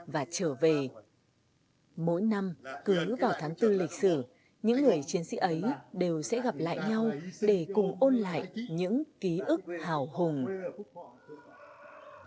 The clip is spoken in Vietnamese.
và trở về mỗi năm cứ vào tháng bốn lịch sử những người chiến sĩ ấy đều sẽ gặp lại nhau để cùng ôn lại những ký ức hào hùng